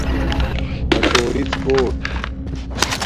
پھاٹُوریڎ کوٹ